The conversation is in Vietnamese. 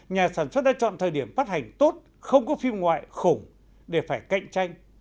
nhà sản xuất đã chọn thời điểm phát hành tốt không có phim ngoại khủng để phải cạnh tranh